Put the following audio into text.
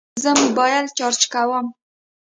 زه موبایل چارج کوم